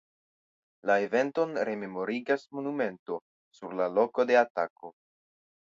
La eventon rememorigas monumento sur la loko de atako.